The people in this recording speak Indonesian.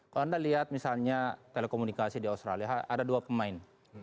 kalau anda lihat misalnya telekomunikasi di australia ada dua pemain